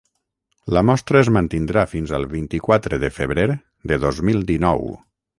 La mostra es mantindrà fins al vint-i-quatre de febrer de dos mil dinou.